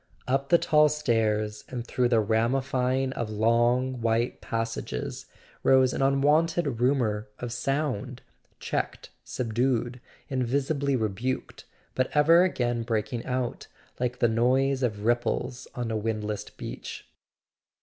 Up the tall stairs and through the ramifying of long white passages rose an unwonted rumour of sound, checked, subdued, invisibly rebuked, but ever again breaking out, like the noise of ripples on a windless beach.